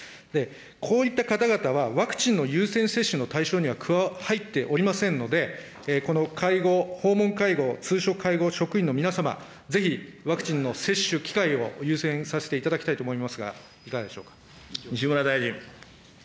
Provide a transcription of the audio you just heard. こういった方々はワクチンの優先接種の対象には入っておりませんので、この介護、訪問介護、通所介護職員の皆様、ぜひワクチンの接種機会を優先させていただきたいと思いますが、いかがでしょう西村大臣。